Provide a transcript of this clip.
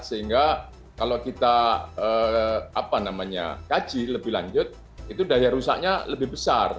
sehingga kalau kita kaji lebih lanjut itu daya rusaknya lebih besar